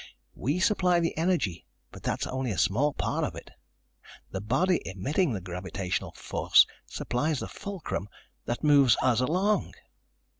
We supply the energy, but that's only a small part of it. The body emitting the gravitational force supplies the fulcrum that moves us along."